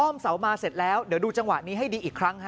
เสามาเสร็จแล้วเดี๋ยวดูจังหวะนี้ให้ดีอีกครั้งฮะ